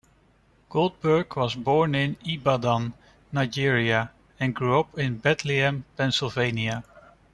Goldberg was born in Ibadan, Nigeria and grew up in Bethlehem, Pennsylvania.